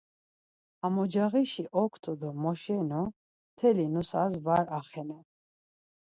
Ham ocağişi oktu do moşenu mteli nusas var axenen.